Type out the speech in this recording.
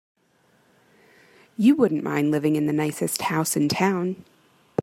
You wouldn't mind living in the nicest house in town.